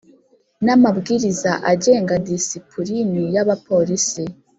N amabwiriza agenga disipulini y abapolisi